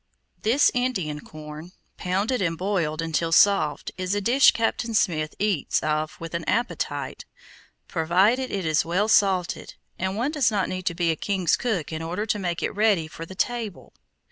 This Indian corn, pounded and boiled until soft, is a dish Captain Smith eats of with an appetite, provided it is well salted, and one does not need to be a king's cook in order to make it ready for the table.